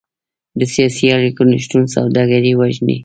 د سیاسي اړیکو نشتون سوداګري وژني.